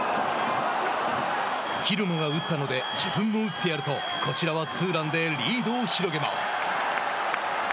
蛭間が打ったので自分も打ってやるとこちらはツーランでリードを広げます。